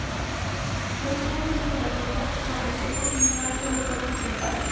Los cien agentes de la primera promoción configuran solo el Cuerpo General.